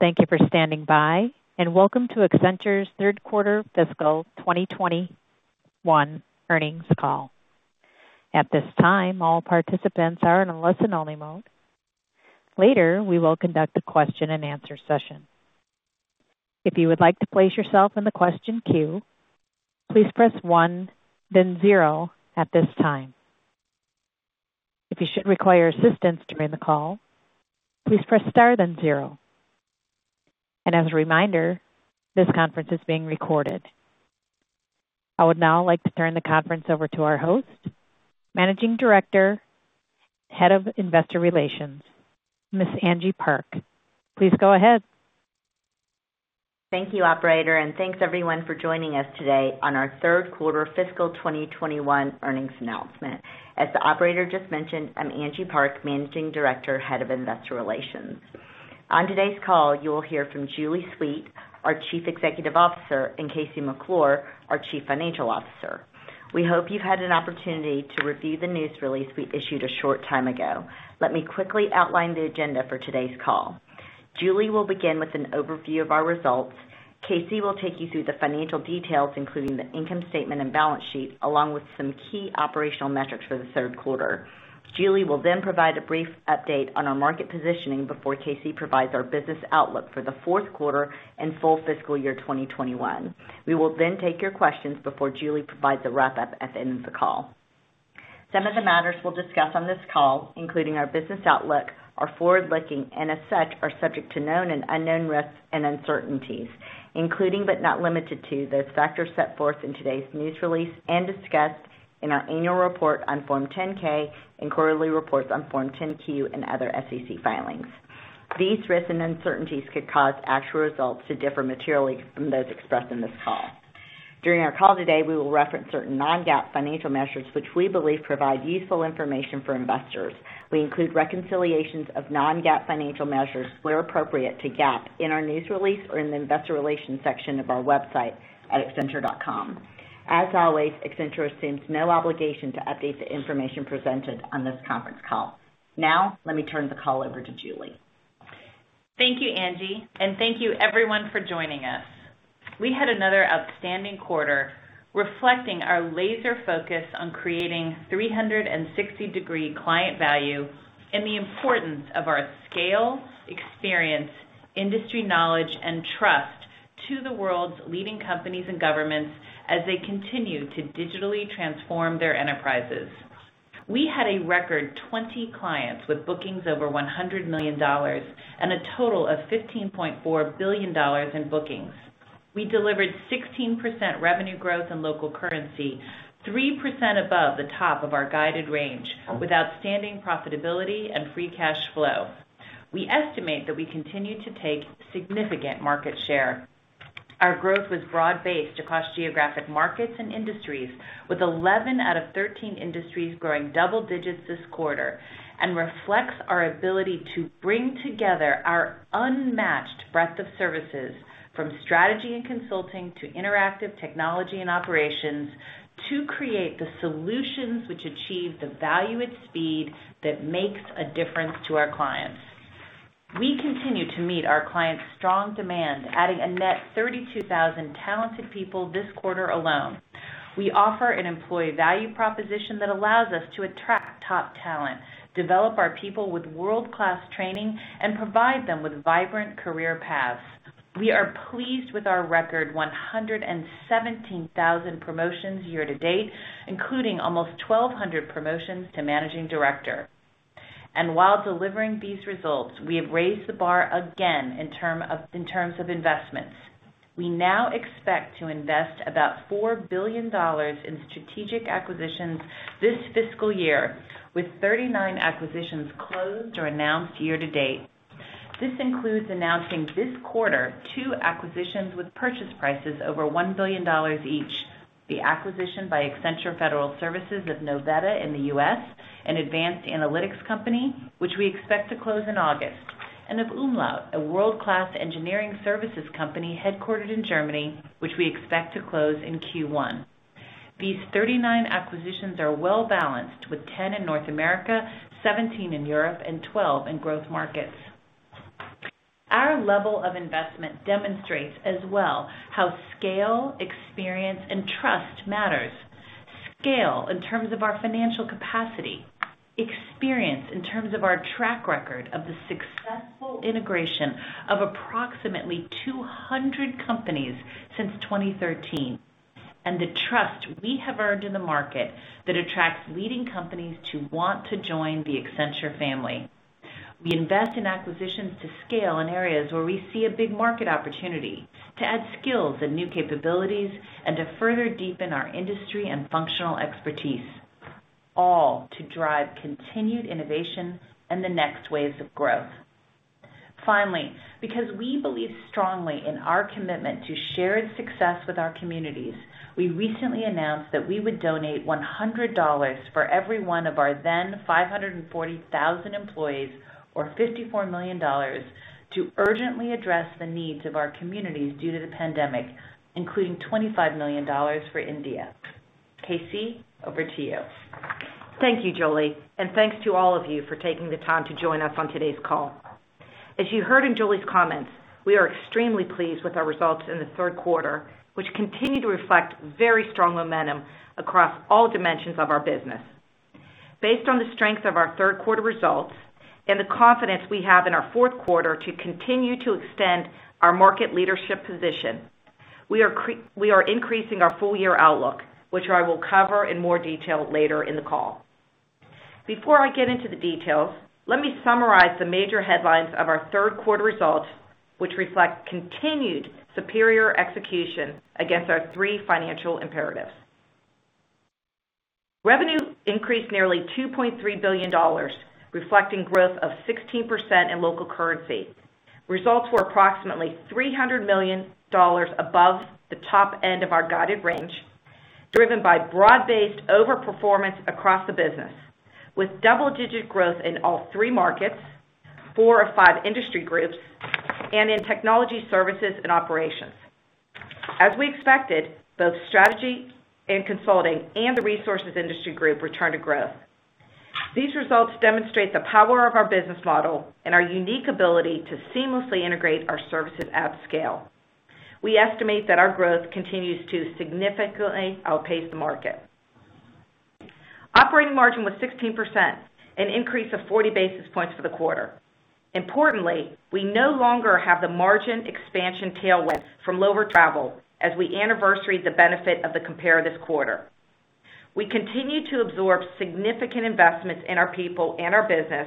Thank you for standing by and welcome to Accenture's Q3 fiscal 2021 earnings call. At this time, all participants are in a listen-only mode. Later, we will conduct a question and answer session. If you would like to place yourself in the question queue, please press one, then zero at this time. If you should require assistance during the call, please press star then zero. As a reminder, this conference is being recorded. I would now like to turn the conference over to our host, Managing Director, Head of Investor Relations, Ms. Angie Park. Please go ahead. Thank you, operator, and thanks everyone for joining us today on our Q3 fiscal 2021 earnings announcement. As the operator just mentioned, I'm Angie Park, Managing Director, Head of Investor Relations. On today's call, you will hear from Julie Sweet, our Chief Executive Officer, and KC McClure, our Chief Financial Officer. We hope you've had an opportunity to review the news release we issued a short time ago. Let me quickly outline the agenda for today's call. Julie will begin with an overview of our results. KC will take you through the financial details, including the income statement and balance sheet, along with some key operational metrics for the Q3. Julie will then provide a brief update on our market positioning before KC provides our business outlook for the Q4 and full fiscal year 2021. We will take your questions before Julie provides a wrap-up at the end of the call. Some of the matters we'll discuss on this call, including our business outlook, are forward-looking and as such, are subject to known and unknown risks and uncertainties, including but not limited to those factors set forth in today's news release and discussed in our annual report on Form 10-K and quarterly reports on Form 10-Q and other SEC filings. These risks and uncertainties could cause actual results to differ materially from those expressed in this call. During our call today, we will reference certain non-GAAP financial measures which we believe provide useful information for investors. We include reconciliations of non-GAAP financial measures where appropriate to GAAP in our news release or in the investor relations section of our website at accenture.com. As always, Accenture assumes no obligation to update the information presented on this conference call. Now, let me turn the call over to Julie. Thank you, Angie, and thank you everyone for joining us. We had another outstanding quarter reflecting our laser focus on creating 360-degree client value and the importance of our scale, experience, industry knowledge, and trust to the world's leading companies and governments as they continue to digitally transform their enterprises. We had a record 20 clients with bookings over $100 million and a total of $15.4 billion in bookings. We delivered 16% revenue growth in local currency, 3% above the top of our guided range with outstanding profitability and free cash flow. We estimate that we continue to take significant market share. Our growth was broad-based across geographic markets and industries with 11 out of 13 industries growing double digits this quarter and reflects our ability to bring together our unmatched breadth of services from strategy and consulting to Interactive, Technology and Operations to create the solutions which achieve the value at speed that makes a difference to our clients. We continue to meet our clients' strong demand, adding a net 32,000 talented people this quarter alone. We offer an employee value proposition that allows us to attract top talent, develop our people with world-class training, and provide them with vibrant career paths. We are pleased with our record 117,000 promotions year to date, including almost 1,200 promotions to Managing Director. While delivering these results, we have raised the bar again in terms of investments. We now expect to invest about $4 billion in strategic acquisitions this fiscal year with 39 acquisitions closed or announced year to date. This includes announcing this quarter two acquisitions with purchase prices over $1 billion each. The acquisition by Accenture Federal Services of Novetta in the U.S., an advanced analytics company, which we expect to close in August, and of umlaut, A world-class engineering services company headquartered in Germany, which we expect to close in Q1. These 39 acquisitions are well-balanced with 10 in North America, 17 in Europe, and 12 in growth markets. Our level of investment demonstrates as well how scale, experience, and trust matters. Scale in terms of our financial capacity, experience in terms of our track record of the successful integration of approximately 200 companies since 2013, and the trust we have earned in the market that attracts leading companies to want to join the Accenture family. We invest in acquisitions to scale in areas where we see a big market opportunity to add skills and new capabilities and to further deepen our industry and functional expertise, all to drive continued innovation and the next waves of growth. Because we believe strongly in our commitment to shared success with our communities, we recently announced that we would donate $100 for every one of our then 540,000 employees or $54 million to urgently address the needs of our communities due to the pandemic, including $25 million for India. KC, over to you. Thank you, Julie, and thanks to all of you for taking the time to join us on today's call. As you heard in Julie's comments, we are extremely pleased with our results in the Q3, which continue to reflect very strong momentum across all dimensions of our business. Based on the strength of our Q3 results and the confidence we have in our Q4 to continue to extend our market leadership position, We are increasing our full-year outlook, which I will cover in more detail later in the call. Before I get into the details, let me summarize the major headlines of our Q3 results, which reflect continued superior execution against our three financial imperatives. Revenues increased nearly $2.3 billion, reflecting growth of 16% in local currency. Results were approximately $300 million above the top end of our guided range, driven by broad-based overperformance across the business, with double-digit growth in all three markets, 4/5 industry groups, and in Technology Services and Operations. As we expected, both Strategy and Consulting and the Resources Industry Group returned to growth. These results demonstrate the power of our business model and our unique ability to seamlessly integrate our services at scale. We estimate that our growth continues to significantly outpace the market. Operating margin was 16%, an increase of 40 basis points for the quarter. Importantly, we no longer have the margin expansion tailwind from lower travel as we anniversary the benefit of the comparative quarter. We continue to absorb significant investments in our people and our business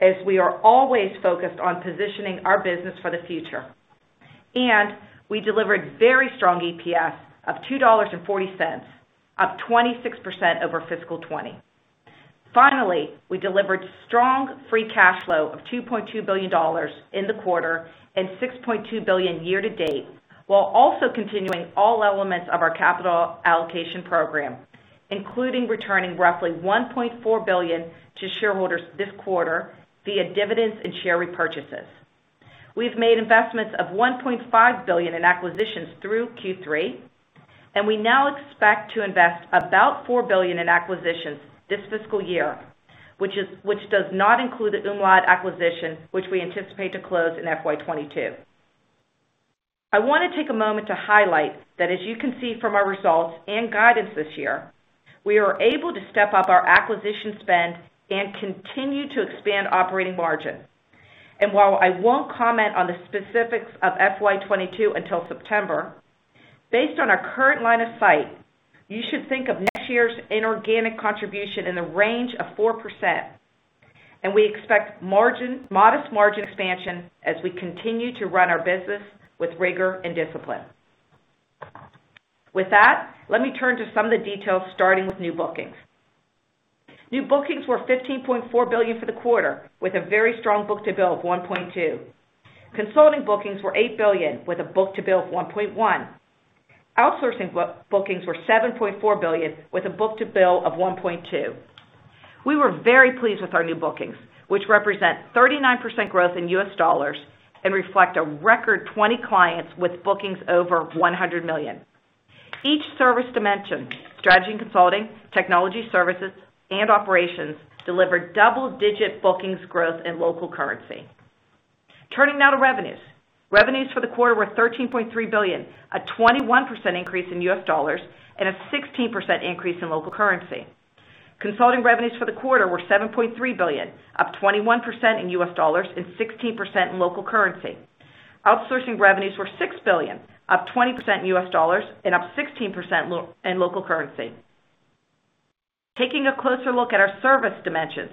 as we are always focused on positioning our business for the future. We delivered very strong EPS of $2.40, up 26% over fiscal 2020. Finally, we delivered strong free cash flow of $2.2 billion in the quarter and $6.2 billion year to date, while also continuing all elements of our capital allocation program, including returning roughly $1.4 billion to shareholders this quarter via dividends and share repurchases. We've made investments of $1.5 billion in acquisitions through Q3, and we now expect to invest about $4 billion in acquisitions this fiscal year, which does not include the umlaut acquisition, which we anticipate to close in FY22. I want to take a moment to highlight that as you can see from our results and guidance this year, we are able to step up our acquisition spend and continue to expand operating margin. While I won't comment on the specifics of FY22 until September, based on our current line of sight, you should think of next year's inorganic contribution in the range of 4%, and we expect modest margin expansion as we continue to run our business with rigor and discipline. With that, let me turn to some of the details, starting with new bookings. New bookings were $15.4 billion for the quarter, with a very strong book-to-bill of 1.2. Consulting bookings were $8 billion with a book-to-bill of 1.1. Outsourcing bookings were $7.4 billion with a book-to-bill of 1.2. We were very pleased with our new bookings, which represent 39% growth in U.S. dollars and reflect a record 20 clients with bookings over $100 million. Each service dimension, strategy and consulting, technology services, and operations delivered double-digit bookings growth in local currency. Turning now to revenues. Revenues for the quarter were $13.3 billion, a 21% increase in U.S. dollars and a 16% increase in local currency. Consulting revenues for the quarter were $7.3 billion, up 21% in U.S. dollars and 16% in local currency. Outsourcing revenues were $6 billion, up 20% in U.S. dollars and up 16% in local currency. Taking a closer look at our service dimensions.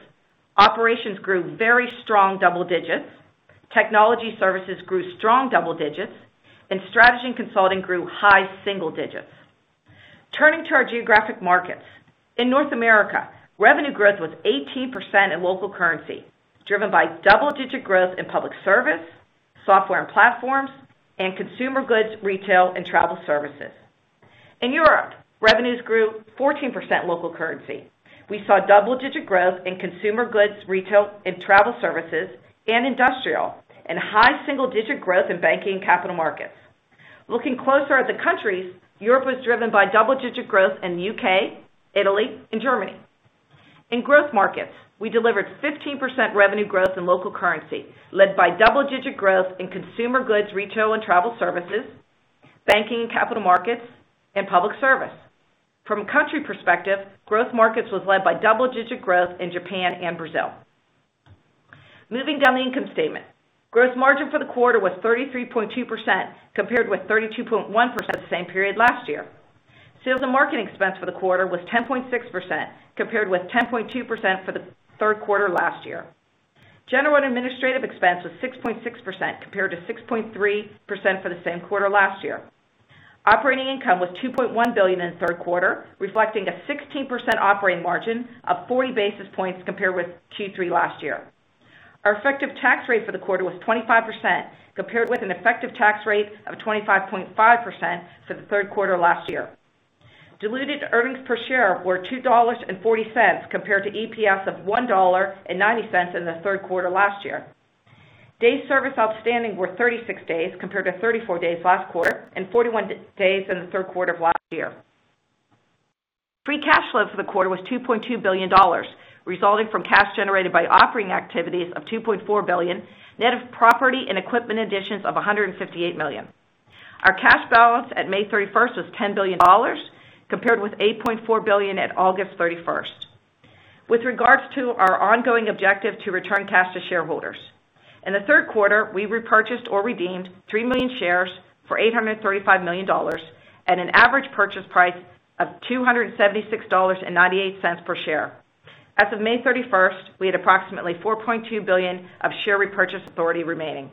Operations grew very strong double digits, Technology Services grew strong double digits, Strategy and Consulting grew high single digits. Turning to our geographic markets. In North America, revenue growth was 18% in local currency, driven by double-digit growth in Public Service, Software and Platforms, and Consumer Goods, Retail, and Travel Services. In Europe, revenues grew 14% local currency. We saw double-digit growth in Consumer Goods, Retail, and Travel Services and Industrial, High single-digit growth in Banking and Capital Markets. Looking closer at the countries, Europe was driven by double-digit growth in U.K., Italy, and Germany. In growth markets, we delivered 15% revenue growth in local currency, led by double-digit growth in consumer goods, retail, and travel services, banking and capital markets, and public service. From a country perspective, growth markets was led by double-digit growth in Japan and Brazil. Moving down the income statement. Gross margin for the quarter was 33.2% compared with 32.1% the same period last year. Sales and marketing expense for the quarter was 10.6% compared with 10.2% for the Q3 last year. General and administrative expense was 6.6% compared to 6.3% for the same quarter last year. Operating income was $2.1 billion in the Q3, reflecting a 16% operating margin, up 40 basis points compared with Q3 last year. Our effective tax rate for the quarter was 25%, compared with an effective tax rate of 25.5% for the Q3 last year. Diluted earnings per share were $2.40, compared to EPS of $1.90 in the Q3 last year. Days service outstanding were 36 days compared to 34 days last quarter and 41 days in the Q3 of last year. Free cash flow for the quarter was $2.2 billion, resulting from cash generated by operating activities of $2.4 billion, net of property and equipment additions of $158 million. Our cash balance at May 31st was $10 billion, compared with $8.4 billion at August 31st. With regards to our ongoing objective to return cash to shareholders, in the Q3, we repurchased or redeemed 3 million shares for $835 million at an average purchase price of $276.98 per share. As of May 31st, we had approximately $4.2 billion of share repurchase authority remaining.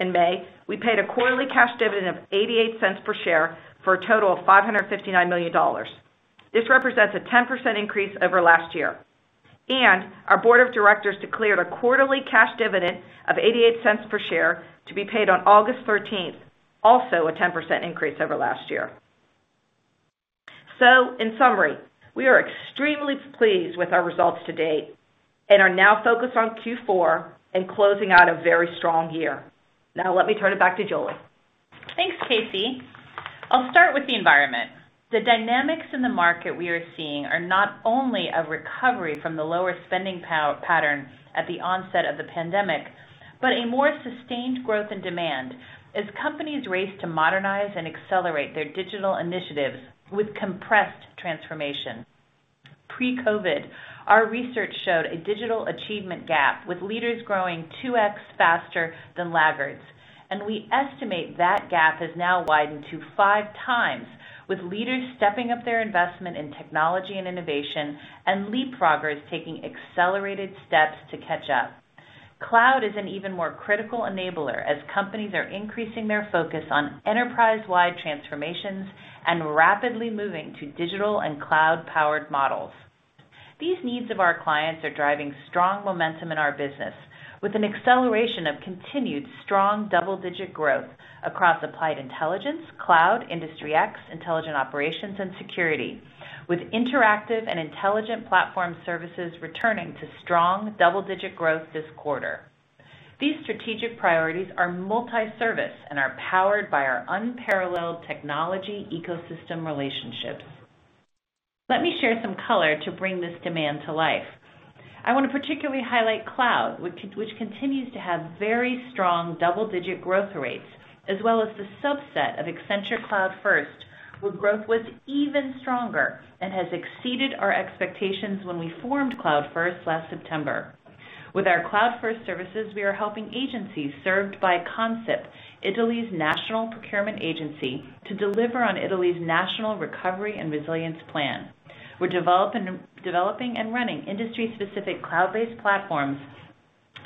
In May, we paid a quarterly cash dividend of $0.88 per share for a total of $559 million. This represents a 10% increase over last year. Our board of directors declared a quarterly cash dividend of $0.88 per share to be paid on August 13th, also a 10% increase over last year. In summary, we are extremely pleased with our results to date and are now focused on Q4 and closing out a very strong year. Now let me turn it back to Julie. Thanks, KC. I'll start with the environment. The dynamics in the market we are seeing are not only a recovery from the lower spending power patterns at the onset of the pandemic, but a more sustained growth in demand as companies race to modernize and accelerate their digital initiatives with compressed transformation. Pre-COVID, our research showed a digital achievement gap, with leaders growing 2x faster than laggards, and we estimate that gap has now widened to 5x, with leaders stepping up their investment in technology and innovation and leapfroggers taking accelerated steps to catch up. Cloud is an even more critical enabler as companies are increasing their focus on enterprise-wide transformations and rapidly moving to digital and cloud-powered models. These needs of our clients are driving strong momentum in our business with an acceleration of continued strong double-digit growth across Applied Intelligence, Cloud, Industry X, Intelligent Operations, and Security, with Interactive and Intelligent Platform Services returning to strong double-digit growth this quarter. These strategic priorities are multi-service and are powered by our unparalleled technology ecosystem relationships. Let me share some color to bring this demand to life. I want to particularly highlight Cloud, which continues to have very strong double-digit growth rates, as well as the subset of Accenture Cloud First, Where growth was even stronger and has exceeded our expectations when we formed Cloud First last September. With our Cloud First services, we are helping agencies served by Consip, Italy's national procurement agency, to deliver on Italy's National Recovery and Resilience Plan. We're developing and running industry-specific cloud-based platforms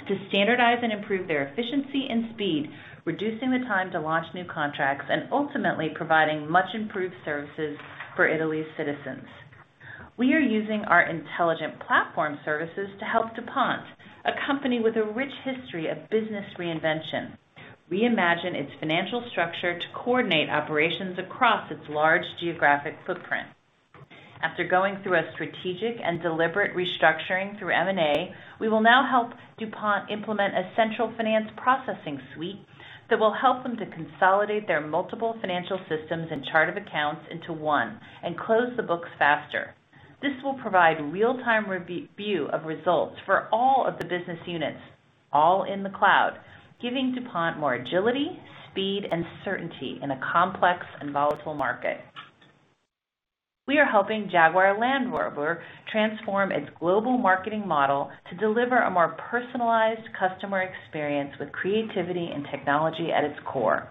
to standardize and improve their efficiency and speed, reducing the time to launch new contracts and ultimately providing much-improved services for Italy's citizens. We are using our Intelligent Platform Services to help DuPont, a company with a rich history of business reinvention, reimagine its financial structure to coordinate operations across its large geographic footprint. After going through a strategic and deliberate restructuring through M&A, we will now help DuPont implement a central finance processing suite that will help them to consolidate their multiple financial systems and chart of accounts into one and close the books faster. This will provide real-time view of results for all of the business units, all in the cloud, giving DuPont more agility, speed, and certainty in a complex and volatile market. We are helping Jaguar Land Rover transform its global marketing model to deliver a more personalized customer experience with creativity and technology at its core.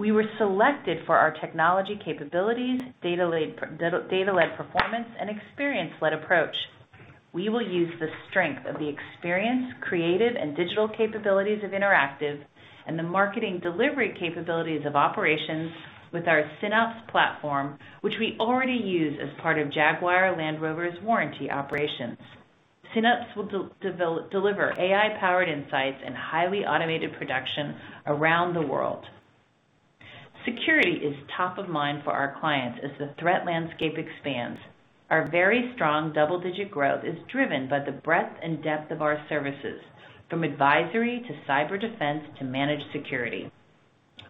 We were selected for our technology capabilities, data-led performance, and experience-led approach. We will use the strength of the experience, creative, and digital capabilities of Interactive and the marketing delivery capabilities of Operations with our SynOps platform, Which we already use as part of Jaguar Land Rover's warranty operations. SynOps will deliver AI-powered insights and highly automated production around the world. Security is top of mind for our clients as the threat landscape expands. Our very strong double-digit growth is driven by the breadth and depth of our services, from advisory to cyber defense to managed Security.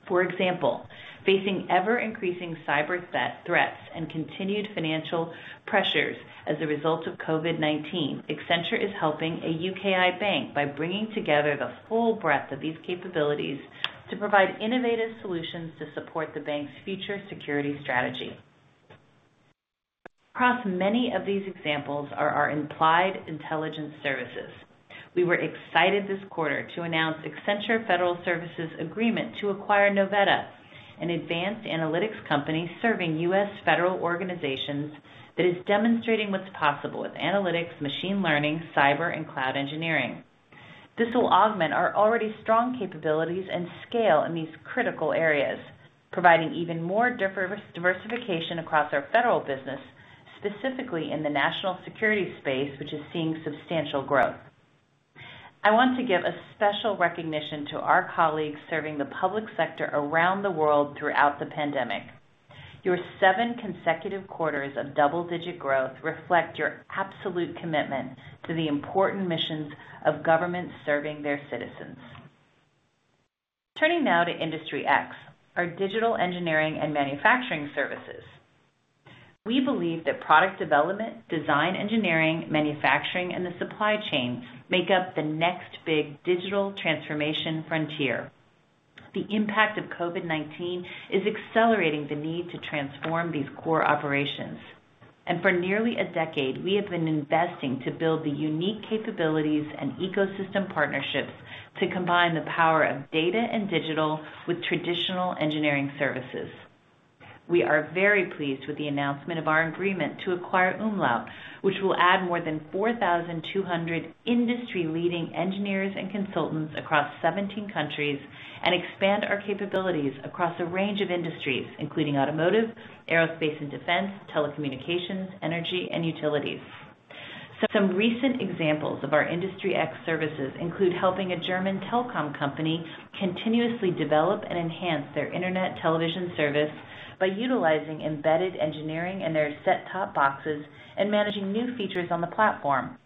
For example, facing ever-increasing cyber threats and continued financial pressures as a result of COVID-19, Accenture is helping a UKI bank by bringing together the full breadth of these capabilities to provide innovative solutions to support the bank's future security strategy. Across many of these examples are our Applied Intelligence services. We were excited this quarter to announce Accenture Federal Services agreement to acquire Novetta, an advanced analytics company serving U.S. federal organizations that is demonstrating what's possible with analytics, machine learning, cyber, and cloud engineering. This will augment our already strong capabilities and scale in these critical areas, providing even more diversification across our federal business, specifically in the national security space, which is seeing substantial growth. I want to give a special recognition to our colleagues serving the public sector around the world throughout the pandemic. Your seven consecutive quarters of double-digit growth reflect your absolute commitment to the important missions of governments serving their citizens. Turning now to Industry X, our digital engineering and manufacturing services. We believe that product development, design engineering, manufacturing, and the supply chain make up the next big digital transformation frontier. The impact of COVID-19 is accelerating the need to transform these core operations. For nearly a decade, we have been investing to build the unique capabilities and ecosystem partnerships to combine the power of data and digital with traditional engineering services. We are very pleased with the announcement of our agreement to acquire umlaut, which will add more than 4,200 industry-leading engineers and consultants across 17 countries and expand our capabilities across a range of industries, including automotive, aerospace and defense, telecommunications, energy, and utilities. Some recent examples of our Industry X services include helping a German telecom company continuously develop and enhance their internet television service by utilizing embedded engineering in their set-top boxes and managing new features on the platform.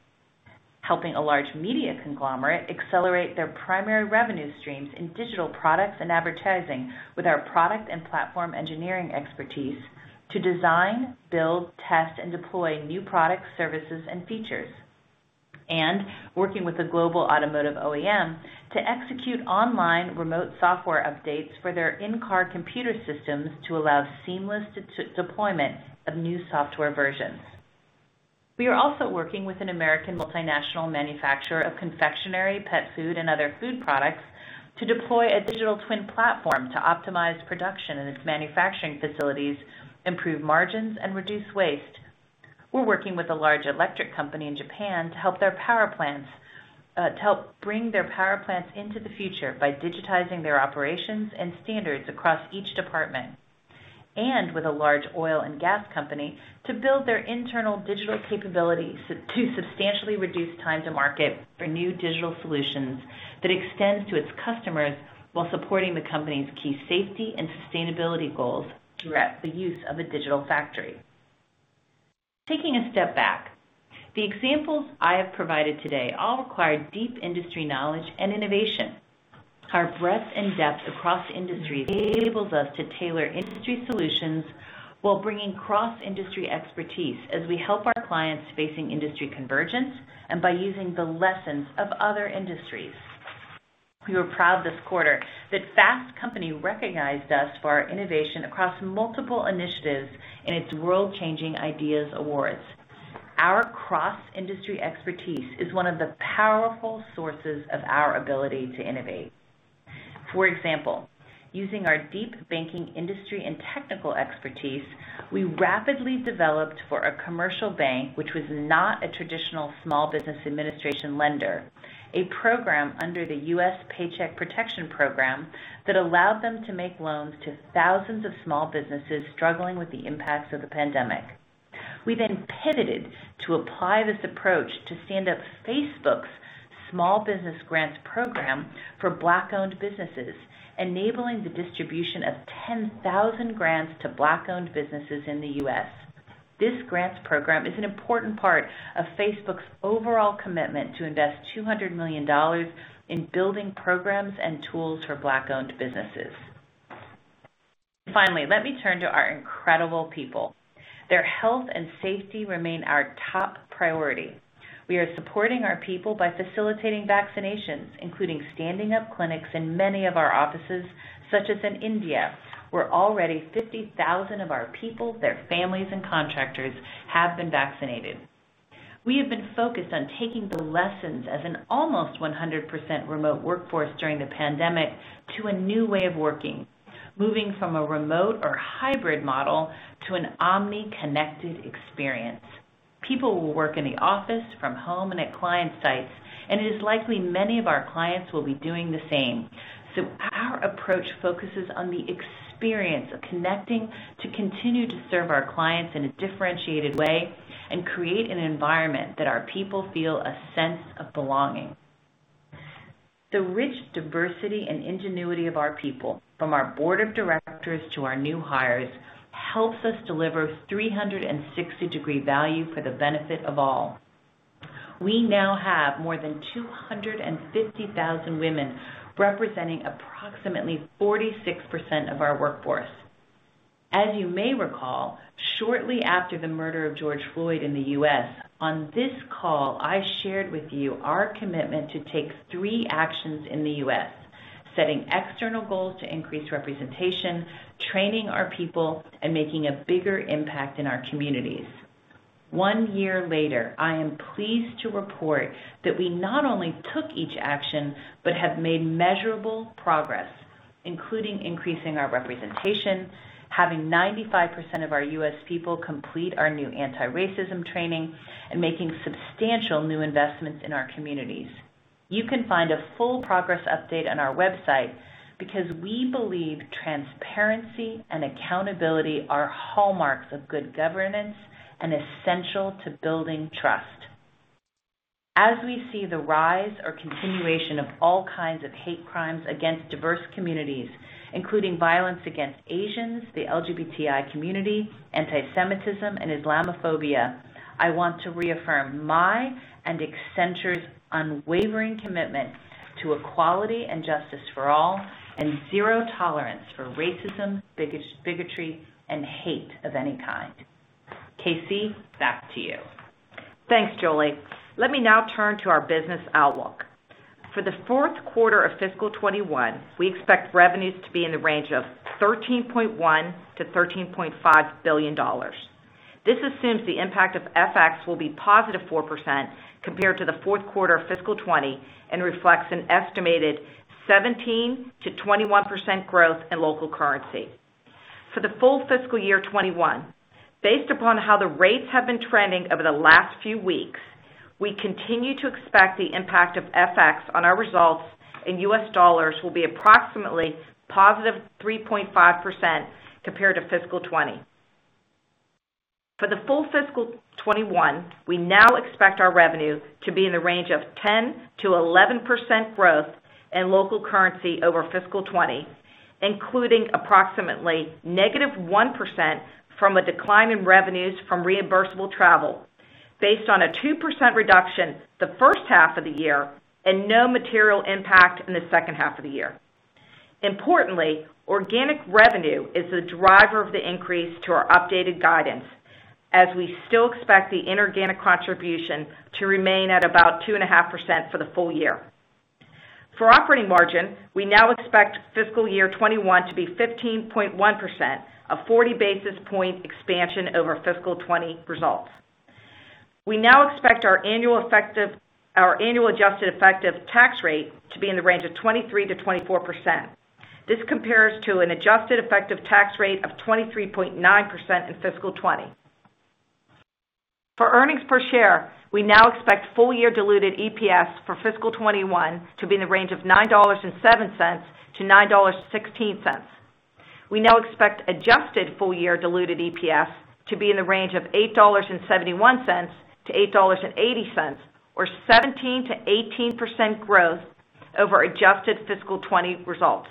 Helping a large media conglomerate accelerate their primary revenue streams in digital products and advertising with our product and platform engineering expertise to design, build, test, and deploy new products, services, and features. Working with a global automotive OEM to execute online remote software updates for their in-car computer systems to allow seamless deployment of new software versions. We are also working with an American multinational manufacturer of confectionery, pet food, and other food products to deploy a digital twin platform to optimize production in its manufacturing facilities, improve margins, and reduce waste. We're working with a large electric company in Japan to help bring their power plants into the future by digitizing their operations and standards across each department. With a large oil and gas company to build their internal digital capabilities to substantially reduce time to market for new digital solutions that extends to its customers while supporting the company's key safety and sustainability goals through the use of a digital factory. Taking a step back, the examples I have provided today all require deep industry knowledge and innovation. Our breadth and depth across industries enables us to tailor industry solutions while bringing cross-industry expertise as we help our clients facing industry convergence and by using the lessons of other industries. We were proud this quarter that Fast Company recognized us for our innovation across multiple initiatives in its World-Changing Ideas Awards. Our cross-industry expertise is one of the powerful sources of our ability to innovate. For example, using our deep banking industry and technical expertise, we rapidly developed for a commercial bank, which was not a traditional Small Business Administration lender, a program under the U.S. Paycheck Protection Program That allowed them to make loans to thousands of small businesses struggling with the impacts of the pandemic. We then pivoted to apply this approach to stand up Facebook's small business grants program for Black-owned businesses, enabling the distribution of 10,000 grants to Black-owned businesses in the U.S. This grants program is an important part of Facebook's overall commitment to invest $200 million in building programs and tools for Black-owned businesses. Finally, let me turn to our incredible people. Their health and safety remain our top priority. We are supporting our people by facilitating vaccinations, including standing up clinics in many of our offices, such as in India, Where already 50,000 of our people, their families, and contractors have been vaccinated. We have been focused on taking the lessons as an almost 100% remote workforce during the pandemic to a new way of working, moving from a remote or hybrid model to an omni-connected experience. People will work in the office, from home, and at client sites, and it is likely many of our clients will be doing the same. Our approach focuses on the experience of connecting to continue to serve our clients in a differentiated way and create an environment that our people feel a sense of belonging. The rich diversity and ingenuity of our people, from our board of directors to our new hires, helps us deliver 360° value for the benefit of all. We now have more than 250,000 women, representing approximately 46% of our workforce. As you may recall, shortly after the murder of George Floyd in the U.S., on this call, I shared with you our commitment to take three actions in the U.S., setting external goals to increase representation, training our people, and making a bigger impact in our communities. One year later, I am pleased to report that we not only took each action but have made measurable progress, including increasing our representation, having 95% of our U.S. people complete our new anti-racism training, and making substantial new investments in our communities. You can find a full progress update on our website because we believe transparency and accountability are hallmarks of good governance and essential to building trust. As we see the rise or continuation of all kinds of hate crimes against diverse communities, including violence against Asians, the LGBTI community, antisemitism, and Islamophobia, I want to reaffirm my and Accenture's unwavering commitment to equality and justice for all and zero tolerance for racism, bigotry, and hate of any kind. KC, back to you. Thanks, Julie. Let me now turn to our business outlook. For the Q4 of FY21, we expect revenues to be in the range of $13.1 billion-$13.5 billion. This assumes the impact of FX will be +4% compared to the Q4 of FY20, and reflects an estimated 17%-21% growth in local currency. For the full FY21, based upon how the rates have been trending over the last few weeks, we continue to expect the impact of FX on our results in U.S. dollars will be approximately +3.5% compared to FY20. For the full FY21, we now expect our revenues to be in the range of 10%-11% growth in local currency over FY20, including approximately -1% from a decline in revenues from reimbursable travel. Based on a 2% reduction the first half of the year and no material impact in the second half of the year. Importantly, organic revenue is the driver of the increase to our updated guidance, as we still expect the inorganic contribution to remain at about 2.5% for the full year. For operating margin, we now expect fiscal year 2021 to be 15.1%, a 40 basis point expansion over fiscal 2020 results. We now expect our annual adjusted effective tax rate to be in the range of 23%-24%. This compares to an adjusted effective tax rate of 23.9% in fiscal 2020. For earnings per share, we now expect full-year diluted EPS for fiscal 2021 to be in the range of $9.07-$9.16. We now expect adjusted full-year diluted EPS to be in the range of $8.71-$8.80, or 17%-18% growth over adjusted FY 2020 results.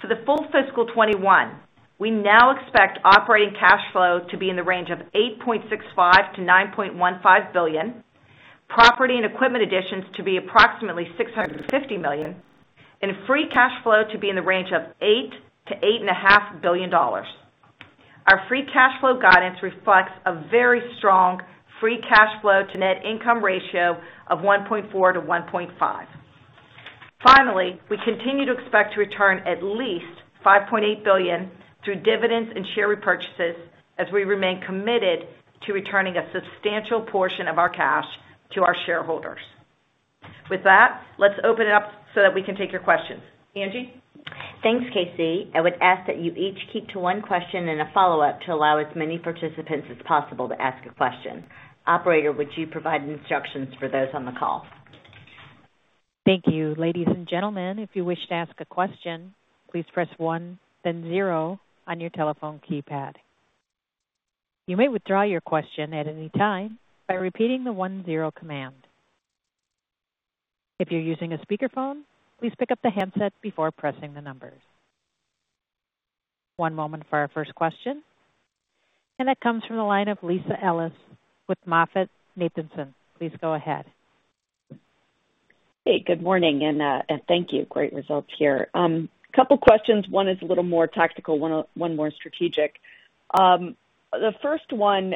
For the full FY 2021, we now expect operating cash flow to be in the range of $8.65 billion-$9.15 billion, property and equipment additions to be approximately $650 million, and free cash flow to be in the range of $8 billion-$8.5 billion. Our free cash flow guidance reflects a very strong free cash flow to net income ratio of 1.4 to 1.5. Finally, we continue to expect to return at least $5.8 billion through dividends and share repurchases as we remain committed to returning a substantial portion of our cash to our shareholders. With that, let's open up so that we can take your questions. Angie? Thanks, KC. I would ask that you each keep to one question and a follow-up to allow as many participants as possible to ask a question. Operator, would you provide instructions for those on the call? Thank you. Ladies and gentlemen, if you wish to ask a question, please press one then zero on your telephone keypad. You may withdraw your question at any time by repeating the one, zero command. If you're using a speakerphone, please pick up the handset before pressing the numbers. one moment for our first question. And it comes from the line of Lisa Ellis with MoffettNathanson. Please go ahead. Hey, good morning, and thank you. Great results here. Couple questions. One is a little more tactical, one more strategic. The first one,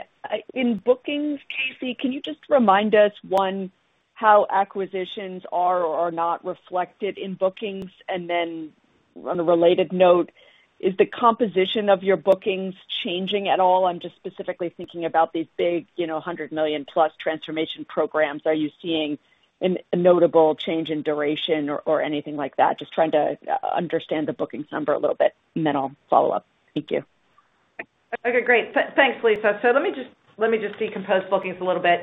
in bookings, KC, can you just remind us, one, how acquisitions are or are not reflected in bookings? On a related note, is the composition of your bookings changing at all? I'm just specifically thinking about these big $100 million+ transformation programs. Are you seeing a notable change in duration or anything like that? Just trying to understand the bookings number a little bit, and then I'll follow up. Thank you. Okay, great. Thanks, Lisa. Let me just decompose bookings a little bit.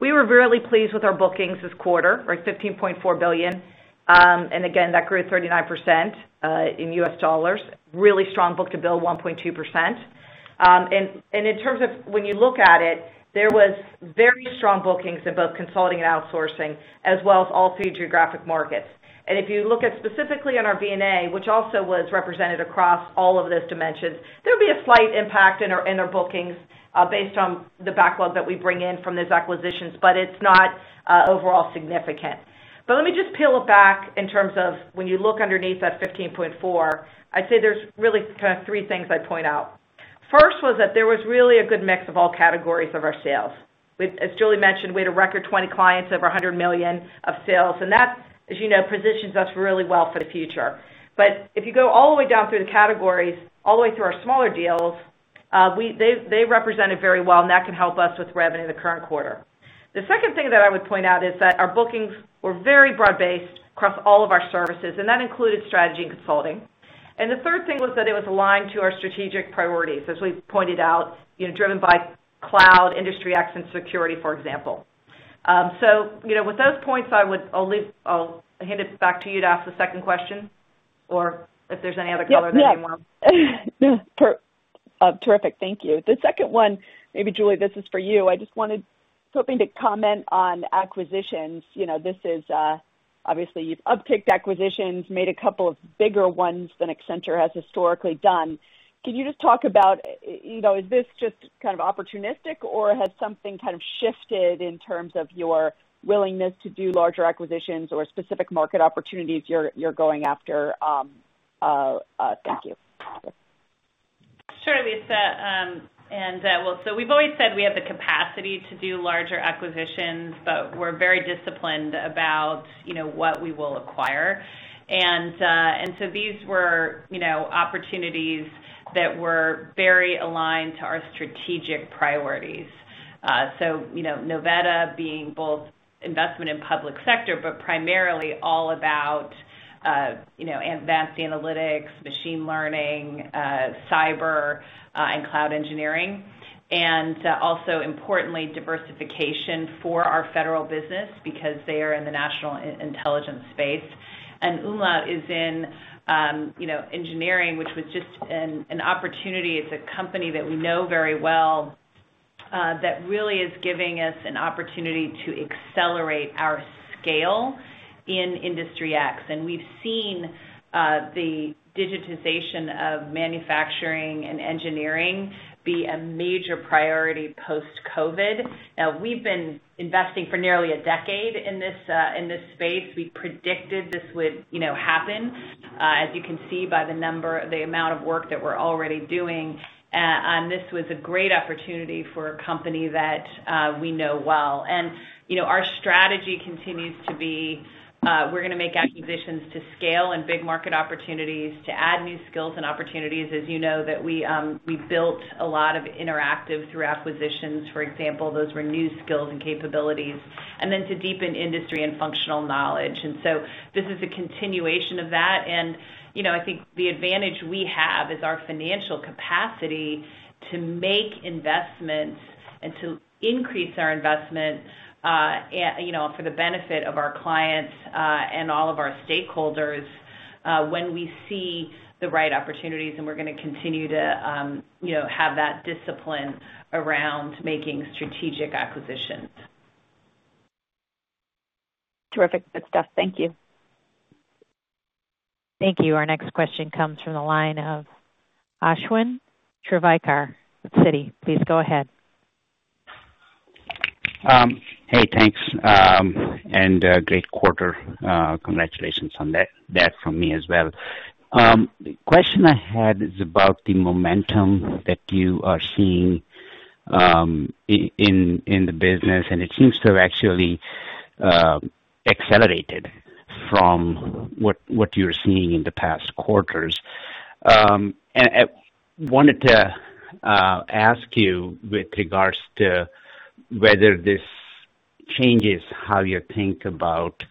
We were really pleased with our bookings this quarter, $15.4 billion. Again, that grew 39% in US dollars. Really strong book-to-bill 1.2%. In terms of when you look at it, there was very strong bookings in both consulting and outsourcing, as well as all three geographic markets. If you look at specifically in our M&A, Which also was represented across all of those dimensions, there will be a slight impact in our bookings based on the backlog that we bring in from those acquisitions, but it's not overall significant. Let me just peel it back in terms of when you look underneath that $15.4 billion, I'd say there's really three things I'd point out. First was that there was really a good mix of all categories of our sales. As Julie mentioned, we had a record 20 clients over $100 million of sales, and that positions us really well for the future. If you go all the way down through the categories, all the way through our smaller deals, they represented very well and that can help us with revenue in the current quarter. The second thing that I would point out is that our bookings were very broad-based across all of our services, and that included strategy and consulting. The third thing was that it was aligned to our strategic priorities, as we've pointed out, driven by Cloud, Industry X, and Security, for example. With those points, I'll hand it back to you to ask the second question, or if there's any other questions anyone wants. Terrific. Thank you. The second one, maybe Julie, this is for you. I just wanted something to comment on acquisitions. Obviously, you've upticked acquisitions, made a couple of bigger ones than Accenture has historically done. Can you just talk about, is this just opportunistic or has something shifted in terms of your willingness to do larger acquisitions or specific market opportunities you're going after? Thank you. Sure, Lisa. We've always said we have the capacity to do larger acquisitions, but we're very disciplined about what we will acquire. These were opportunities that were very aligned to our strategic priorities. Novetta being both investment in public sector, but primarily all about advanced analytics, machine learning, cyber and cloud engineering, and also importantly, diversification for our federal business because they are in the national intelligence space. umlaut is in engineering, which was just an opportunity. It's a company that we know very well that really is giving us an opportunity to accelerate our scale in Industry X. We've seen the digitization of manufacturing and engineering be a major priority post-COVID. We've been investing for nearly a decade in this space. We predicted this would happen, as you can see by the amount of work that we're already doing. This was a great opportunity for a company that we know well. Our strategy continues to be we're going to make acquisitions to scale and big market opportunities to add new skills and opportunities. As you know that we built a lot of Interactive through acquisitions, for example. Those were new skills and capabilities, and then to deepen industry and functional knowledge. This is a continuation of that. I think the advantage we have is our financial capacity to make investments and to increase our investment for the benefit of our clients and all of our stakeholders when we see the right opportunities. We're going to continue to have that discipline around making strategic acquisitions. Terrific. Good stuff. Thank you. Thank you. Our next question comes from the line of Ashwin Shirvaikar with Citi. Please go ahead. Hey, thanks. Great quarter. Congratulations on that from me as well. Question I had is about the momentum that you are seeing in the business. It seems to have actually accelerated from what you're seeing in the past quarters. I wanted to ask you with regards to whether this changes how you think about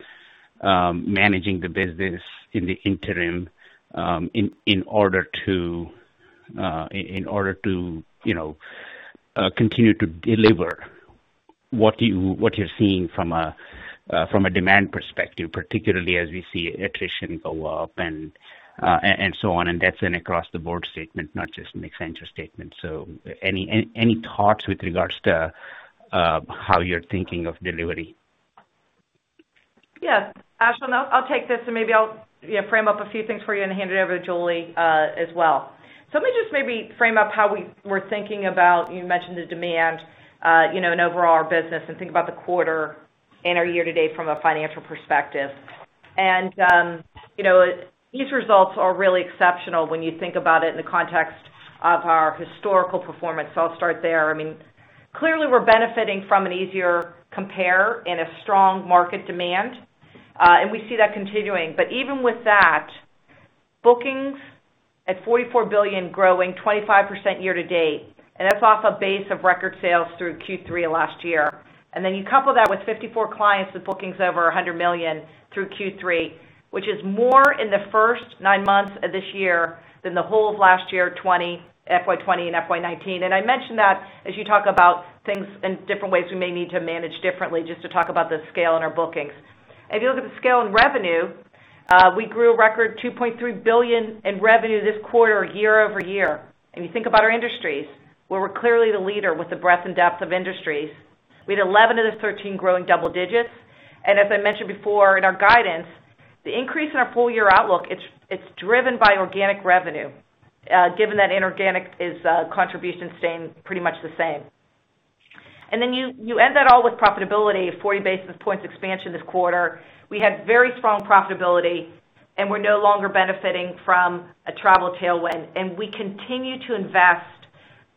managing the business in the interim in order to continue to deliver what you're seeing from a demand perspective, particularly as we see attrition go up and so on. That's an across-the-board statement, not just an Accenture statement. Any thoughts with regards to how you're thinking of delivery? Yes, Ashwin Shirvaikar, I'll take this and maybe I'll frame up a few things for you and hand it over to Julie as well. Let me just maybe frame up how we're thinking about, you mentioned the demand in overall our business and think about the quarter and our year to date from a financial perspective. These results are really exceptional when you think about it in the context of our historical performance. I'll start there. Clearly, we're benefiting from an easier compare and a strong market demand, and we see that continuing. Even with that, bookings at $44 billion growing 25% year to date, and that's off a base of record sales through Q3 of last year. You couple that with 54 clients with bookings over $100 million through Q3, which is more in the first 9 months of this year than the whole of last year FY20 and FY19. I mention that as you talk about things in different ways we may need to manage differently just to talk about the scale in our bookings. If you look at the scale in revenue, we grew a record $2.3 billion in revenue this quarter year-over-year. You think about our industries, where we're clearly the leader with the breadth and depth of industries. We had 11 of those 13 growing double digits. As I mentioned before in our guidance, the increase in our full-year outlook, it's driven by organic revenue, given that inorganic is contribution staying pretty much the same. You end that all with profitability of 40 basis points expansion this quarter. We had very strong profitability, and we're no longer benefiting from a travel tailwind, and we continue to invest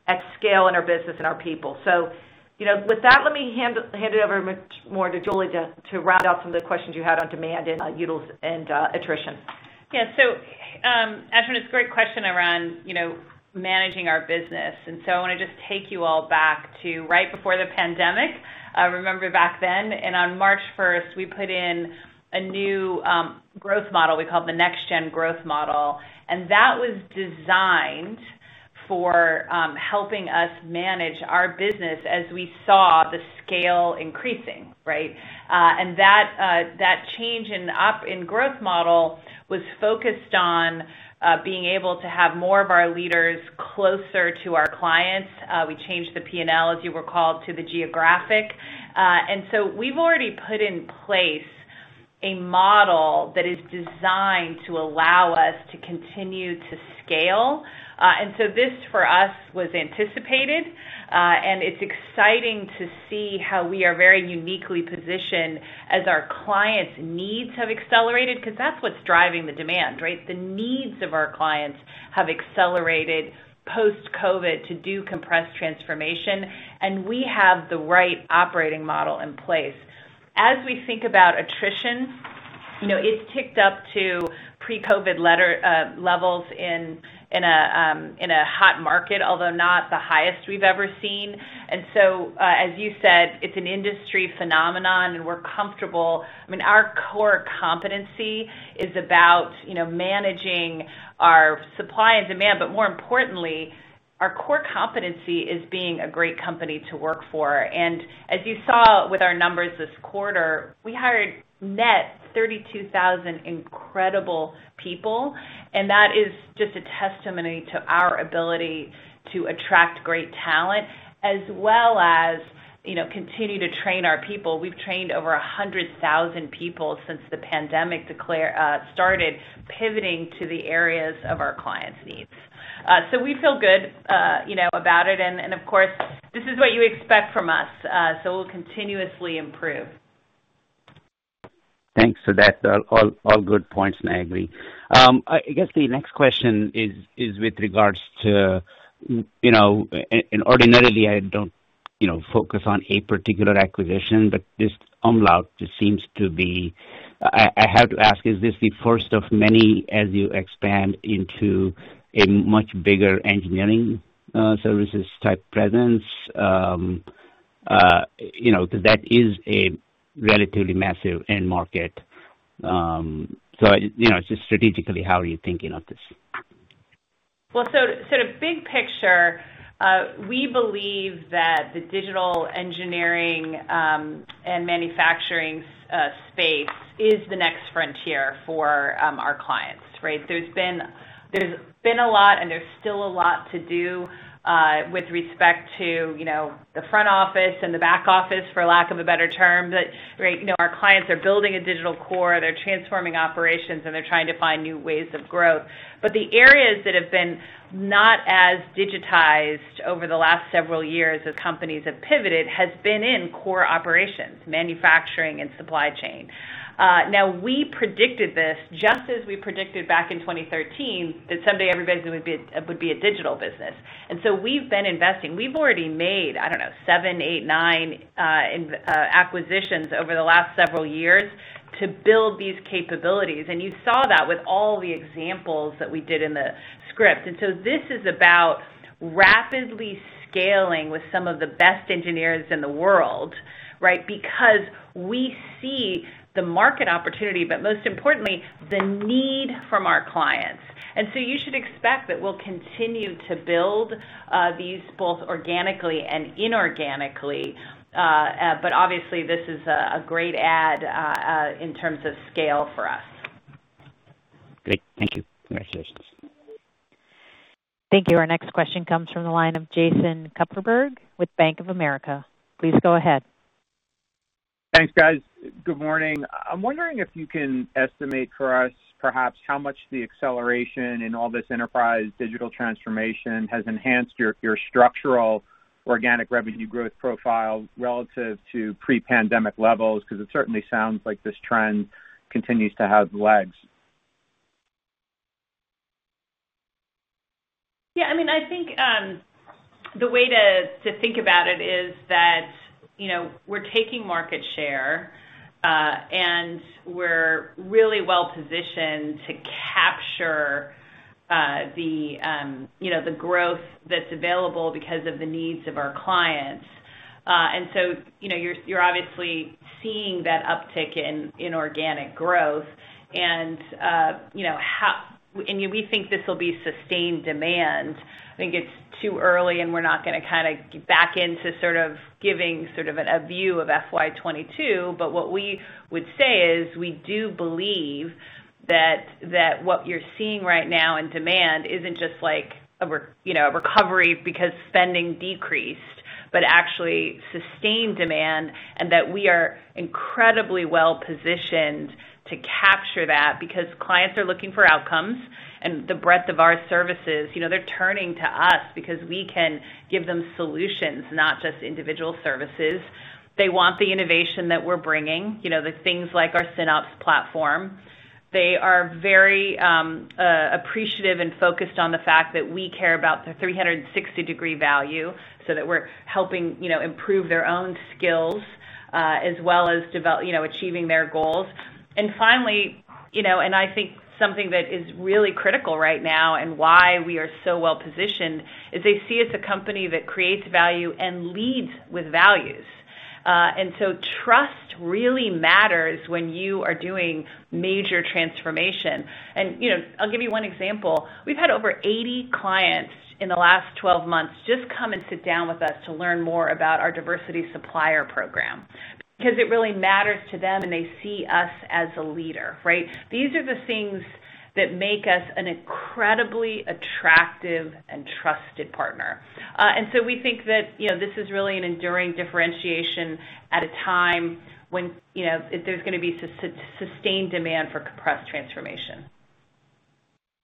at scale in our business and our people. Let me hand it over more to Julie just to wrap up some of the questions you had on demand, utilization, and attrition. Yeah. Ashwin, it's a great question around managing our business. I want to just take you all back to right before the pandemic. Remember back then, on March 1st, we put in a new growth model we called the next gen growth model, that was designed for helping us manage our business as we saw the scale increasing, right? That change in growth model was focused on being able to have more of our leaders closer to our clients. We changed the P&L, as you recall, to the geographic. We've already put in place a model that is designed to allow us to continue to scale. This, for us, was anticipated, and it's exciting to see how we are very uniquely positioned as our clients' needs have accelerated, because that's what's driving the demand, right? The needs of our clients have accelerated post-COVID to do compressed transformation. We have the right operating model in place. As we think about attrition, it's ticked up to pre-COVID levels in a hot market, although not the highest we've ever seen. As you said, it's an industry phenomenon. We're comfortable. Our core competency is about managing our supply and demand. More importantly, our core competency is being a great company to work for. As you saw with our numbers this quarter, we hired net 32,000 incredible people. That is just a testimony to our ability to attract great talent as well as continue to train our people. We've trained over 100,000 people since the pandemic started, pivoting to the areas of our clients' needs. We feel good about it. Of course, this is what you expect from us, so we'll continuously improve. Thanks for that. All good points, and I agree. I guess the next question is with regards to, and ordinarily, I don't focus on a particular acquisition, but this umlaut just seems to be I have to ask, is this the first of many as you expand into a much bigger engineering services-type presence? That is a relatively massive end market. Just strategically, how are you thinking of this? The big picture, we believe that the digital engineering and manufacturing space is the next frontier for our clients, right? There's been a lot, and there's still a lot to do with respect to the front office and the back office, for lack of a better term. Our clients are building a digital core, they're transforming operations, and they're trying to find new ways of growth. The areas that have been not as digitized over the last several years as companies have pivoted, has been in core operations, manufacturing, and supply chain. Now, we predicted this, just as we predicted back in 2013, that someday everybody would be a digital business. We've been investing. We've already made, I don't know, seven, eight, nine acquisitions over the last several years to build these capabilities, and you saw that with all the examples that we did in the script. This is about rapidly scaling with some of the best engineers in the world, right? Because we see the market opportunity, but most importantly, the need from our clients. You should expect that we'll continue to build these both organically and inorganically. Obviously, this is a great add in terms of scale for us. Great. Thank you. Thank you. Our next question comes from the line of Jason Kupferberg with Bank of America. Please go ahead. Thanks, guys. Good morning. I'm wondering if you can estimate for us perhaps how much the acceleration in all this enterprise digital transformation has enhanced your structural organic revenue growth profile relative to pre-pandemic levels, because it certainly sounds like this trend continues to have legs. Yeah, I think the way to think about it is that we're taking market share, and we're really well-positioned to capture the growth that's available because of the needs of our clients. You're obviously seeing that uptick in organic growth. We think this will be sustained demand. I think it's too early, and we're not going to back into giving a view of FY22, but what we would say is we do believe that what you're seeing right now in demand isn't just a recovery Because spending decreased, but actually sustained demand, and that we are incredibly well-positioned to capture that because clients are looking for outcomes and the breadth of our services. They're turning to us because we can give them solutions, not just individual services. They want the innovation that we're bringing, the things like our SynOps platform. They are very appreciative and focused on the fact that we care about the 360° value, so that we're helping improve their own skills as well as achieving their goals. Finally, and I think something that is really critical right now and why we are so well-positioned, is they see us a company that creates value and leads with values. Trust really matters when you are doing major transformation. I'll give you one example. We've had over 80 clients in the last 12 months just come and sit down with us to learn more about our diversity supplier program, because it really matters to them, and they see us as a leader, right? These are the things that make us an incredibly attractive and trusted partner. We think that this is really an enduring differentiation at a time when there's going to be sustained demand for compressed transformation.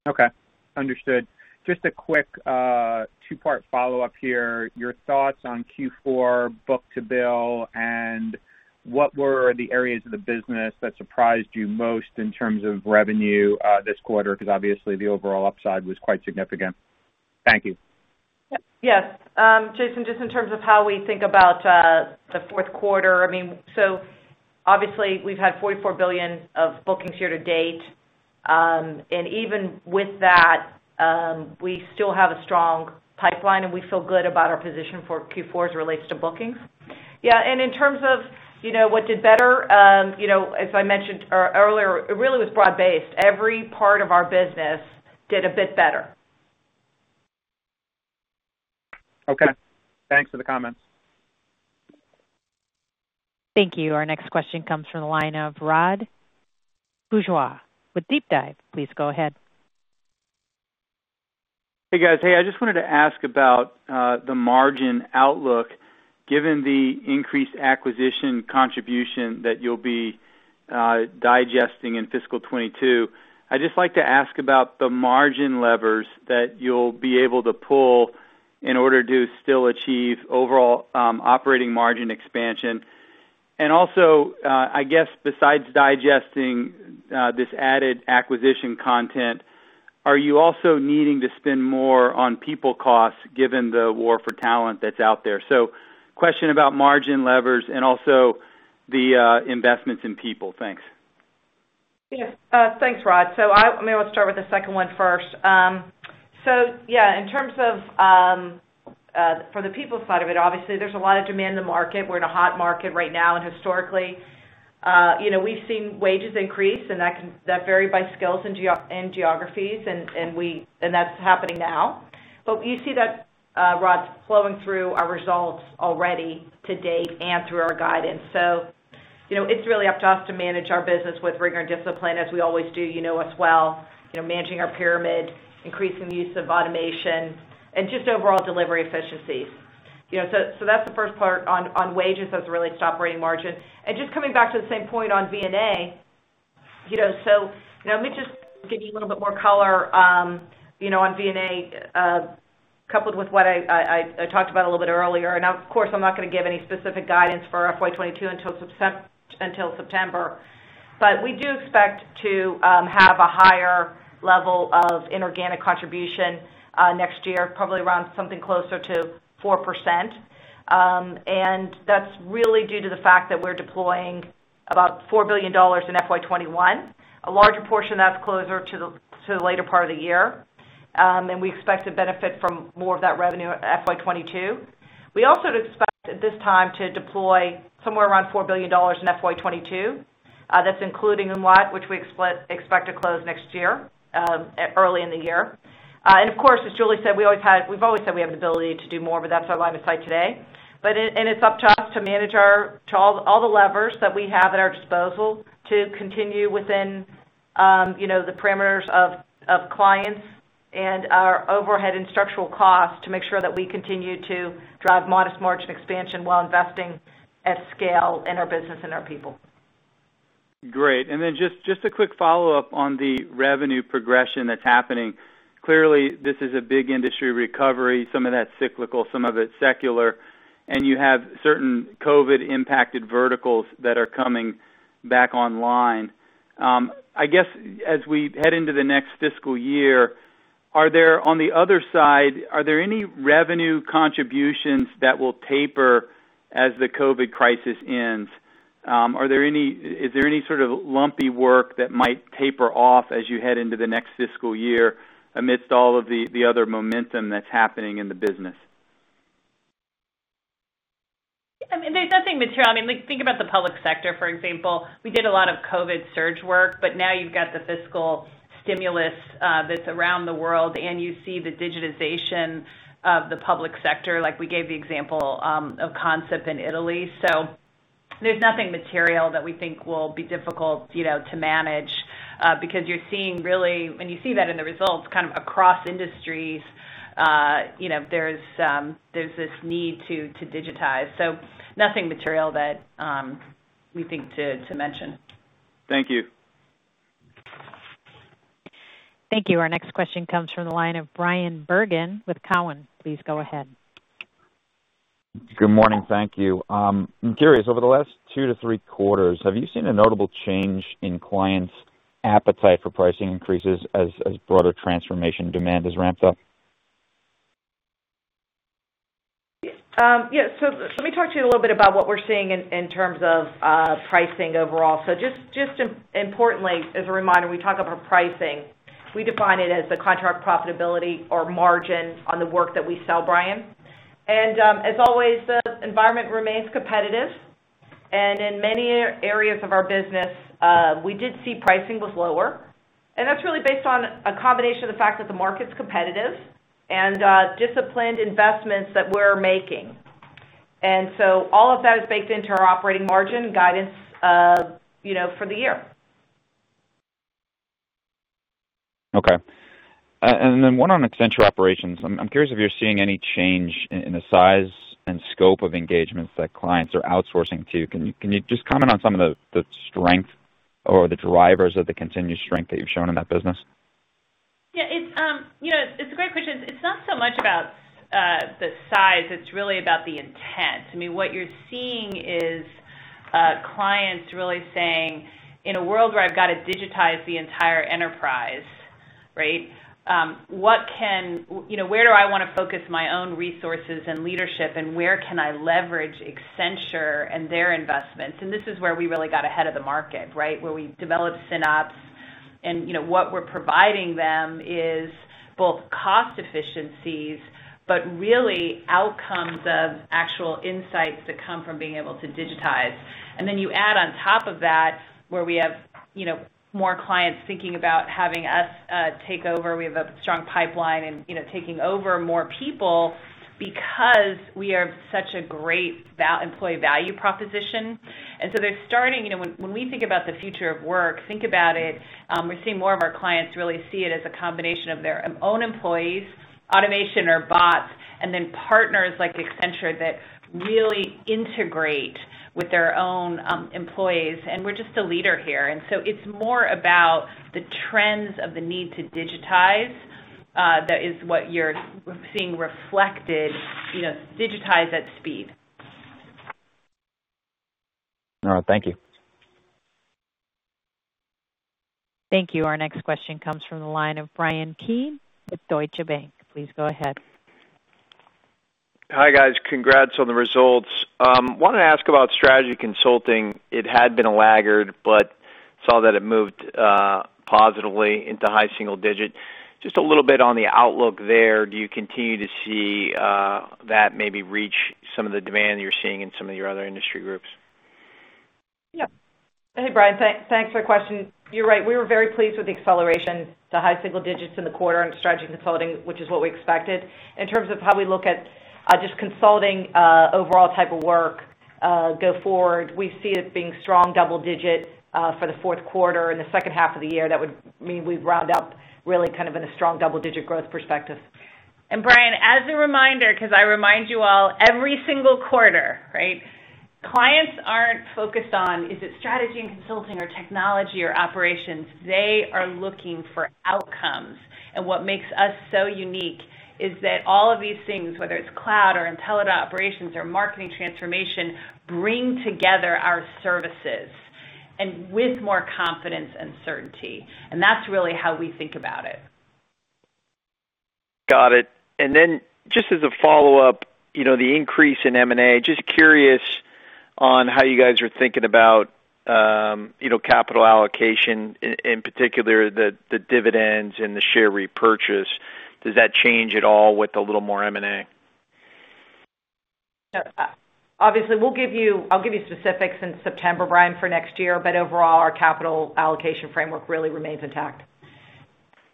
Okay, understood. Just a quick two-part follow-up here. Your thoughts on Q4 book-to-bill, and what were the areas of the business that surprised you most in terms of revenue this quarter? Obviously the overall upside was quite significant. Thank you. Yes. Jason, just in terms of how we think about the Q4, obviously we've had $44 billion of bookings year to date. Even with that, we still have a strong pipeline, and we feel good about our position for Q4 as it relates to bookings. Yeah, in terms of what did better, as I mentioned earlier, it really was broad-based. Every part of our business did a bit better. Okay. Thanks for the comment. Thank you. Our next question comes from the line of Rod Bourgeois with DeepDive. Please go ahead. Hey, guys. Hey, I just wanted to ask about the margin outlook, given the increased acquisition contribution that you'll be digesting in fiscal 2022. I'd just like to ask about the margin levers that you'll be able to pull in order to still achieve overall operating margin expansion. Also, I guess besides digesting this added acquisition content, are you also needing to spend more on people costs given the war for talent that's out there? Question about margin levers and also the investments in people. Thanks. Yeah. Thanks, Rod. Maybe I'll start with the second one first. Yeah, in terms of for the people side of it, obviously, there's a lot of demand in the market. We're in a hot market right now, and historically we've seen wages increase, and that vary by skills and geographies, and that's happening now. We see that, Rod, flowing through our results already to date and through our guidance. It's really up to us to manage our business with rigor and discipline as we always do, as well, managing our pyramid, increasing use of automation, and just overall delivery efficiencies. That's the first part on wages that's really stopped bringing margin. Just coming back to the same point on m&A. Let me just give you a little bit more color on M&A, coupled with what I talked about a little bit earlier. Of course, I'm not going to give any specific guidance for FY2022 until September, but we do expect to have a higher level of inorganic contribution next year, probably around something closer to 4%. That's really due to the fact that we're deploying about $4 billion in FY2021, a larger portion that's closer to the later part of the year. We expect to benefit from more of that revenue in FY2022. We also would expect at this time to deploy somewhere around $4 billion in FY2022. That's including Nomura, which we expect to close next year, early in the year. Of course, as Julie said, we've always said we have an ability to do more, but that's not why I'm inside today. It's up to us to manage all the levers that we have at our disposal to continue within the parameters of clients and our overhead and structural costs to make sure that we continue to drive modest margin expansion while investing at scale in our business and our people. Great. Just a quick follow-up on the revenue progression that's happening. Clearly, this is a big industry recovery. Some of that's cyclical, some of it's secular, and you have certain COVID-impacted verticals that are coming back online. I guess as we head into the next fiscal year, on the other side, are there any revenue contributions that will taper as the COVID crisis ends? Is there any sort of lumpy work that might taper off as you head into the next fiscal year amidst all of the other momentum that's happening in the business? Yeah, nothing material. I mean, think about the public sector, for example. We did a lot of COVID surge work, but now you've got the fiscal stimulus that's around the world, and you see the digitization of the public sector. We gave the example of Consip in Italy. There's nothing material that we think will be difficult to manage because you're seeing really, and you see that in the results kind of across industries, there's this need to digitize. Nothing material that we think to mention. Thank you. Thank you. Our next question comes from the line of Bryan Bergin with TD Cowen. Please go ahead. Good morning. Thank you. I'm curious, over the last two to three quarters, have you seen a notable change in clients' appetite for pricing increases as broader transformation demand has ramped up? Yeah. Let me talk to you a little bit about what we're seeing in terms of pricing overall. Just importantly, as a reminder, when we talk about pricing. We define it as the contract profitability or margin on the work that we sell, Bryan. As always, the environment remains competitive. In many areas of our business, we did see pricing was lower. That's really based on a combination of the fact that the market's competitive and disciplined investments that we're making. All of that is baked into our operating margin guidance for the year. Okay. One on Accenture Operations. I'm curious if you're seeing any change in the size and scope of engagements that clients are outsourcing to? Can you just comment on some of the strength or the drivers of the continued strength that you're showing in that business? Yeah. It's a great question. It's not so much about the size, it's really about the intent. What you're seeing is clients really saying, in a world where I've got to digitize the entire enterprise, where do I want to focus my own resources and leadership, and where can I leverage Accenture and their investments? This is where we really got ahead of the market. Where we developed SynOps, and what we're providing them is both cost efficiencies, but really outcomes of actual insights that come from being able to digitize. Then you add on top of that where we have more clients thinking about having us take over. We have a strong pipeline in taking over more people because we have such a great employee value proposition. So they're starting. When we think about the future of work, think about it. We're seeing more of our clients really see it as a combination of their own employees, automation or bots, and then partners like Accenture that really integrate with their own employees. We're just the leader here. It's more about the trends of the need to digitize. That is what you're seeing reflected, digitize at speed. No, thank you. Thank you. Our next question comes from the line of Bryan Keane with Deutsche Bank. Please go ahead. Hi, guys. Congrats on the results. I want to ask about strategy consulting. It had been a laggard, but saw that it moved positively into high single digits. Just a little bit on the outlook there. Do you continue to see that maybe reach some of the demand you're seeing in some of your other industry groups? Yeah. Thank you, Bryan. Thanks for the question. You're right. We were very pleased with the acceleration to high single digits in the quarter and strategy consulting, which is what we expected. In terms of how we look at just consulting overall type of work go forward, we see it being strong double digits for the Q4 and the second half of the year. That would mean we round up really in a strong double-digit growth perspective. Bryan, as a reminder, because I remind you all every single quarter. Clients aren't focused on is it strategy and consulting or technology or operations. They are looking for outcomes. What makes us so unique is that all of these things, whether it's Cloud or Intelligent Operations or marketing transformation, bring together our services and with more confidence and certainty. That's really how we think about it. Got it. Just as a follow-up, the increase in M&A, just curious on how you guys are thinking about capital allocation, in particular the dividends and the share repurchase. Does that change at all with a little more M&A? Obviously, I'll give you specifics in September, Bryan, for next year. Overall, our capital allocation framework really remains intact.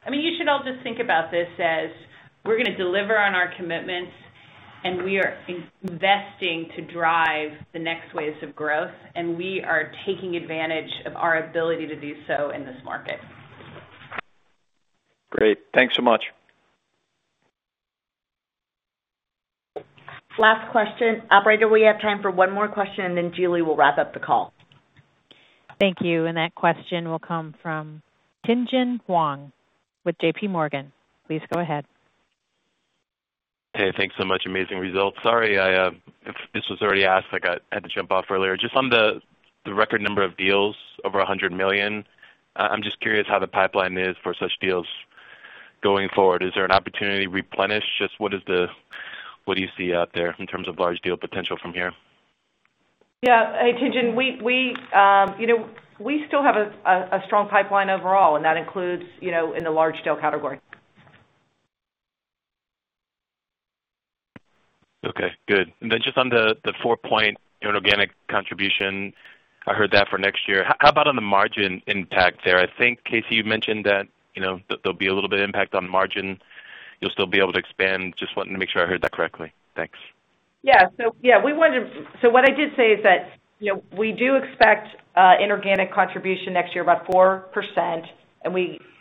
You should all just think about this as we're going to deliver on our commitments. We are investing to drive the next waves of growth. We are taking advantage of our ability to do so in this market. Great. Thanks so much. Last question. Operator, do we have time for one more question, and then Julie will wrap up the call. Thank you. That question will come from Tien-Tsin Huang with JPMorgan. Please go ahead. Hey, thanks so much. Amazing results. Sorry if this was already asked. I had to jump off earlier. Just on the record number of deals over $100 million, I'm just curious how the pipeline is for such deals going forward. Is there an opportunity to replenish? Just what do you see out there in terms of large deal potential from here? Yeah. Hey, Tien-Tsin. We still have a strong pipeline overall, and that includes in the large deal category. Okay, good. Just on the 4-point inorganic contribution, I heard that for next year. How about on the margin impact there? I think, KC, you mentioned that there'll be a little bit of impact on margin. You'll still be able to expand. Just wanting to make sure I heard that correctly. Thanks. Yeah. What I did say is that we do expect inorganic contribution next year of about 4%.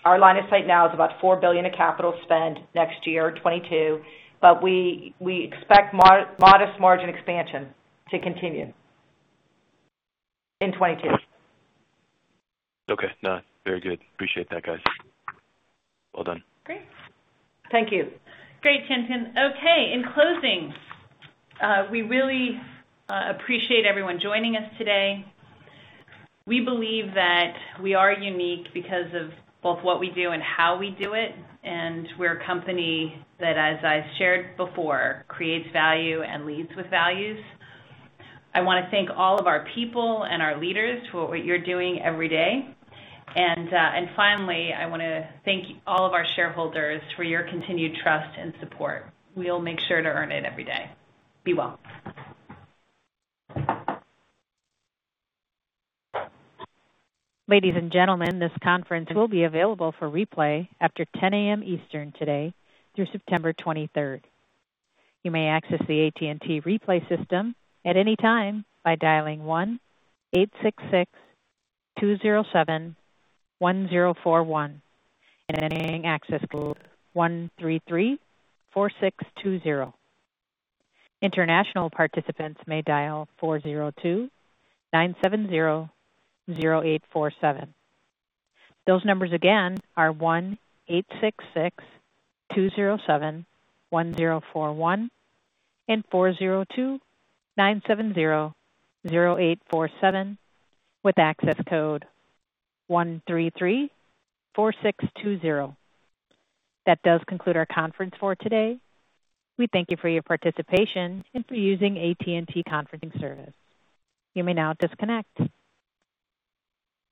Our line of sight now is about $4 billion of capital spend next year, 2022. We expect modest margin expansion to continue in 2022. Okay. No, very good. Appreciate that, guys. Well done. Great. Thank you. Great, Tien-Tsin. Okay. In closing, we really appreciate everyone joining us today. We believe that we are unique because of both what we do and how we do it, we're a company that, as I've shared before, creates value and leads with values. I want to thank all of our people and our leaders for what you're doing every day. Finally, I want to thank all of our shareholders for your continued trust and support. We'll make sure to earn it every day. Be well. Ladies and gentlemen, this conference will be available for replay after 10:00 A.M. Eastern today through September 23rd. You may access the AT&T replay system at any time by dialing 1-866-207-1041 and access code 1334620. International participants may dial 402-970-0847. Those numbers again are 1-866-207-1041 and 402-970-0847 with access code 1334620. That does conclude our conference for today. We thank you for your participation in using AT&T conferencing service. You may now disconnect.